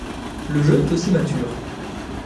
Le jeu est aussi mature.